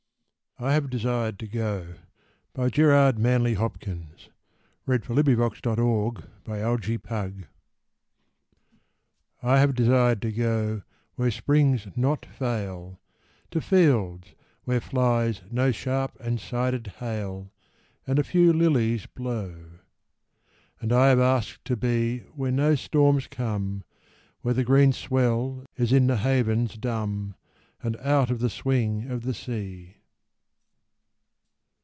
sh that dies. Ralph Hodgson 3 &&> *M*Y* o ^? 5* 4? 116 R. A! HOPWOOD I HAVE DESIRED TO GO I HAVE desired to go Where springs not fail, To fields where flies no sharp and sided hail, And a few lilies blow. And I have asked to be Where no storms come, Where the green swell is in the havens dumb, And out of the swing of the sea.